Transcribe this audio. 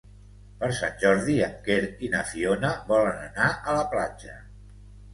Per Sant Jordi en Quer i na Fiona volen anar a la platja.